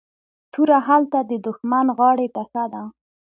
توره هلته ددښمن غاړي ته ښه ده